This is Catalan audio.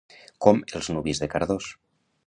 Com els nuvis de Cardós.